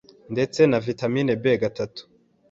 ndetse na vitamin B gatatu